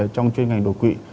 trong chuyên ngành đột quỵ